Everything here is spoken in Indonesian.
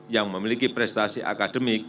yang memiliki prestasi akademik